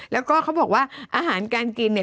แล้วก็เขาบอกว่าอาหารการกินเนี่ย